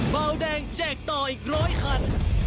เบาแดงแจกต่ออีกร้อยคัน